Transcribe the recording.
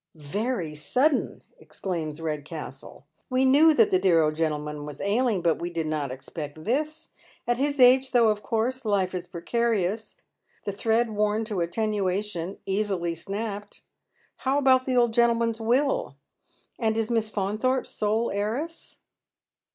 " Very sudden !" exclaims Redcastle. " We knew that the dear old gentleman was ailing, but we did not expect this. At his age, though, of course, life is precarious, the thread worn to Attenuation, easily snapped. How about the old gentleman's will ? And is Miss Faunthorpe sole heiress